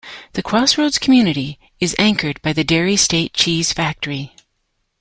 The crossroads community is anchored by the Dairy State Cheese factory.